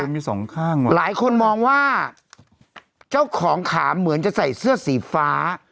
มีสองข้างว่ะหลายคนมองว่าเจ้าของขาเหมือนจะใส่เสื้อสีฟ้า